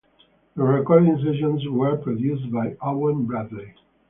The recording sessions were produced by Owen Bradley.